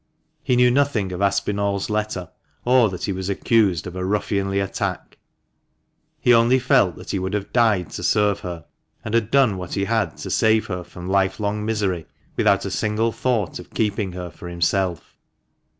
He knew nothing of AspinalFs letter, or that he was accused of a "ruffianly attack ;" he only felt that he would have died to serve her, and had done what he had to save her from life long misery, without a single thought of keeping her for himself.